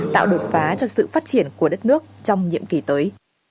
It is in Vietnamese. tạo đột phá cho sự phát triển của đất nước trong nhiệm kỳ tới